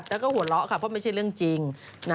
แล้วก็หัวเราะค่ะเพราะไม่ใช่เรื่องจริง